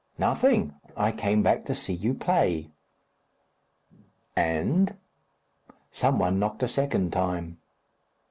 "Nothing. I came back to see you play." "And ?" "Some one knocked a second time."